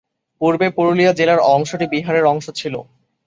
পূর্বে পুরুলিয়া জেলার অংশটি বিহারের অংশ ছিল।